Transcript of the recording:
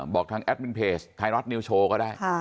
บอกทางแอดมินเพจไทยรัฐนิวโชว์ก็ได้